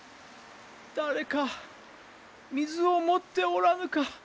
誰か水を持っておらぬか？